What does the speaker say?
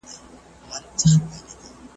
چي قاضي او مفتي ناست وي ماران ګرځي .